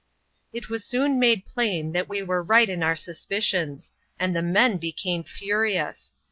It was soon made plain that we were right in our suspicions ; and the men became furious.